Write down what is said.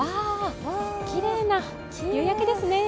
きれいな夕焼けですね。